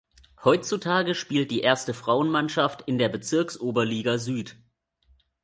Heutzutage spielt die erste Frauenmannschaft in der Bezirksoberliga Süd.